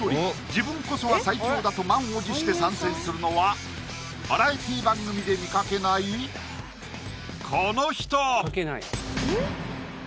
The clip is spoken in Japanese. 自分こそは最強だと満を持して参戦するのはバラエティー番組で見かけないこの人！